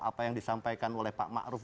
apa yang disampaikan oleh pak makruf